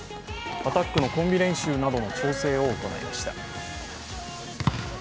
アタックのコンビ練習などの調整を行いました。